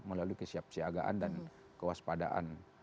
melalui kesiapsiagaan dan kewaspadaan